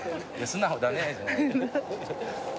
「素直だね」じゃないよ。